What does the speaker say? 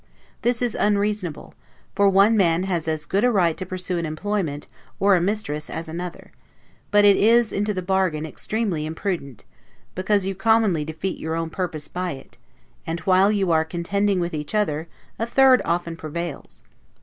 This is unreasonable; for one man has as good a right to pursue an employment, or a mistress, as another; but it is, into the bargain, extremely imprudent; because you commonly defeat your own purpose by it, and while you are contending with each other, a third often prevails.